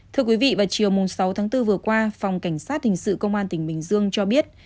thưa quý vị vào chiều sáu tháng bốn vừa qua phòng cảnh sát hình sự công an tỉnh bình dương cho biết